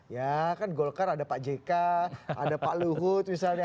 ya kan golkar ada pak jk ada pak luhut misalnya